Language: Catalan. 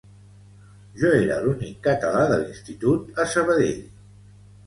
Jo era l'únic català de l'institut a Sabadell